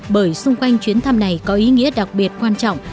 bởi xung quanh chuyến thăm này có ý nghĩa đặc biệt quan trọng